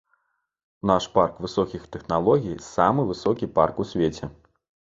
Наш парк высокіх тэхналогій самы высокі парк у свеце.